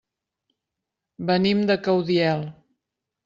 Venim de Caudiel.